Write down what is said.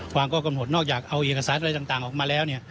แค่วางข้อกำหนดนอกจากเอาอินคษัตริย์อะไรต่างออกมาแล้ว